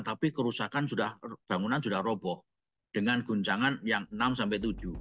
tapi kerusakan bangunan sudah roboh dengan guncangan yang enam sampai tujuh